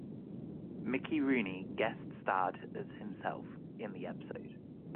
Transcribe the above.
Mickey Rooney guest starred as himself in the episode.